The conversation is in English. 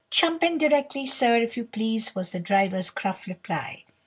"'Jump in directly, sir, if you please,' was the driver's gruff reply.